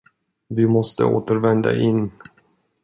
Vi måste återvända in.